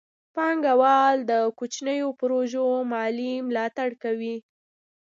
پانګه وال د کوچنیو پروژو مالي ملاتړ کوي.